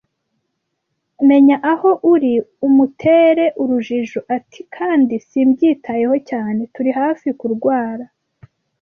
menya aho ari, umutere urujijo, 'ati:' kandi simbyitayeho cyane. Turi hafi kurwara